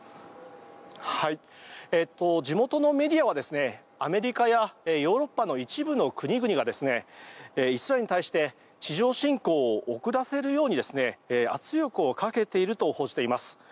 地元のメディアはアメリカやヨーロッパの一部の国々がイスラエルに対して地上侵攻を遅らせるように圧力をかけていると報じています。